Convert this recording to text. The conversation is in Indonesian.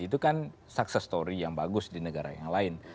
itu kan sukses story yang bagus di negara yang lain